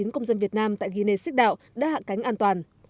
hai trăm một mươi chín công dân việt nam tại guinea six dao đã hạ cánh an toàn